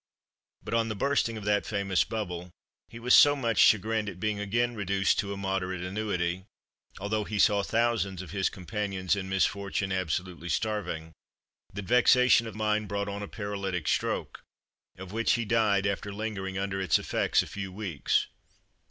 But, on the bursting of that famous bubble, he was so much chagrined at being again reduced to a moderate annuity (although he saw thousands of his companions in misfortune absolutely starving), that vexation of mind brought on a paralytic stroke, of which he died, after lingering under its effects a few weeks.